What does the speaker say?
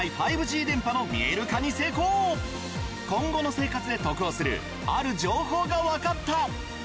今後の生活で得をするある情報がわかった。